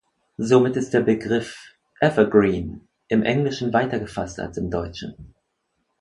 Somit ist der Begriff "evergreen" im Englischen weiter gefasst als im Deutschen.